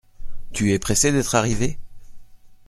Tu es pressé d’être arrivé ?